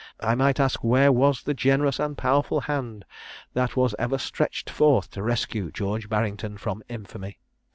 I might ask, where was the generous and powerful hand that was ever stretched forth to rescue George Barrington from infamy?